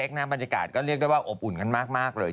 ปาร์ตี้เล็กนะบรรยากาศก็เรียกได้ว่าอบอุ่นกันมากเลย